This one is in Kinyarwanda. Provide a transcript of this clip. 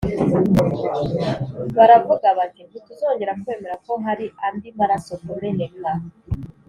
Baravuga bati ntituzongera kwemera ko hari andi maraso kumeneka